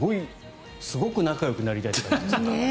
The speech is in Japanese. すごく仲よくなりたいという感じですね。